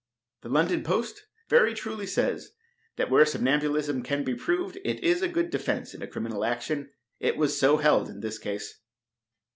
The London Post very truly says that where somnambulism can be proved it is a good defense in a criminal action. It was so held in this case.